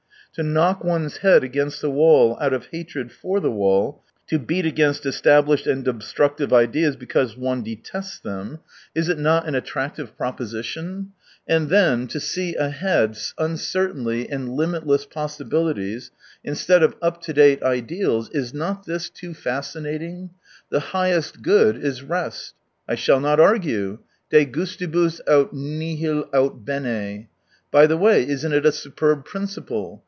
To knock one's head against the wall out of hatred for the wall : to beat against established and obstructive ideas, because one detests them : is it not K 14s an attractive proposition ? And then, to see ahead uncertainly and limitless possi bilities, instead of up to date "ideals," is not this too fascinating ? The highest good is rest ! I shall not argue : de gustibus aut nihil aiii bene. ... By the way, isn't it a superb principle